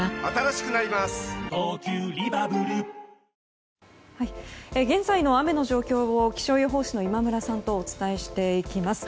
わかるぞ現在の雨の状況を気象予報士の今村さんとお伝えしていきます。